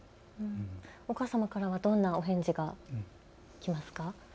お母様からはどんなお返事がありますか。